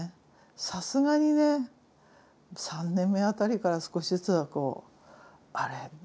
さすがにね３年目辺りから少しずつあれ？